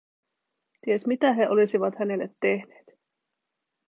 Ties mitä he olisivat hänelle tehneet.